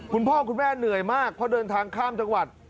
คุณพ่อคุณแม่เหนื่อยมากเพราะเดินทางข้ามจังหวัด